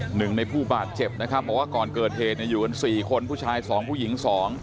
หนึ่งในผู้บาดเจ็บนะครับบอกว่าก่อนเกิดเหตุอยู่กัน๔คนผู้ชาย๒ผู้หญิง๒